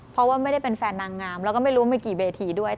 เพราะว่าไม่ได้เป็นแฟนนางงามแล้วก็ไม่รู้ไม่กี่เวทีด้วย